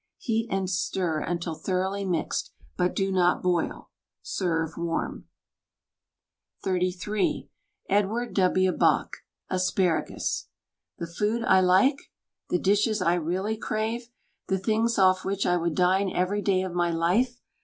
Heat and stir until thoroughly mixed— but do not boil. Serve warm. THE STAG COOK BOOK XXXIII Edward TV, Bok ASPARAGUS The food I like? The dishes I really crave? The things ofE which I would dine every day of my life?